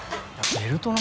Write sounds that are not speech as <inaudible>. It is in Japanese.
ベルト <laughs>